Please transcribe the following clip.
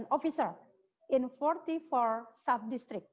dalam empat puluh empat subdistrik